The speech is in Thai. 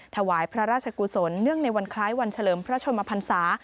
ถวายพระราชกุศลเนื่องในวันคล้ายวันเฉลิมพระชนมพันศา